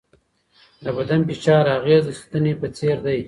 د بدن فشار اغېز د ستنې په څېر دی.